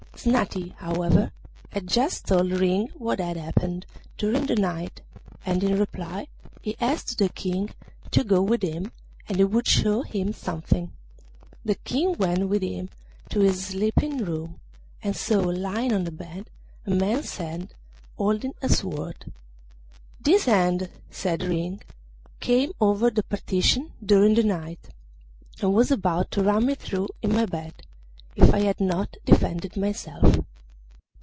Snati, however, had just told Ring what had happened during the night, and in reply he asked the King to go with him and he would show him something. The King went with him to his sleeping room, and saw lying on the bed a man's hand holding a sword. 'This hand,' said Ring, 'came over the partition during the night, and was about to run me through in my bed, if I had not defended myself.